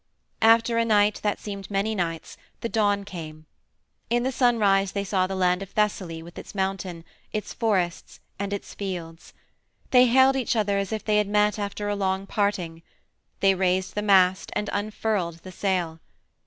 After a night that seemed many nights the dawn came. In the sunrise they saw the land of Thessaly with its mountain, its forests, and its fields. They hailed each other as if they had met after a long parting. They raised the mast and unfurled the sail.